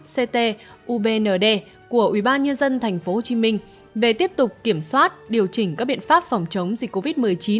một mươi tám ct ubnd của ubnd tp hcm về tiếp tục kiểm soát điều chỉnh các biện pháp phòng chống dịch covid một mươi chín